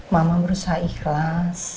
mama berusaha ikhlas